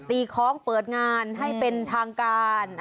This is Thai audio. คล้องเปิดงานให้เป็นทางการ